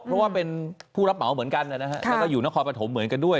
เพราะเป็นผู้รับเมาเหมือนกันแล้วก็อยู่ในกล่องของภรรยาทรมเหมือนกันด้วย